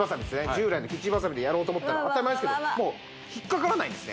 従来のキッチンバサミでやろうと思ったら当たり前ですけどもう引っかからないんですね